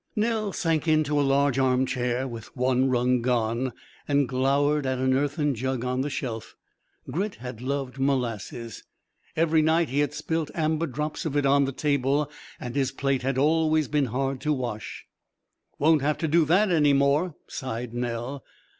Nell sank into a large armchair (with one rung gone) and glowered at an earthen jug on the shelf. Grit had loved molasses. Every night he had spilt amber drops of it on the table, and his plate had always been hard to wash. "Won't have that to do any more," sighed Nell.